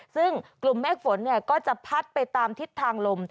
ซึ่งกลุ่มเมฆฝนก็จะพัดไปตามทิศทางลม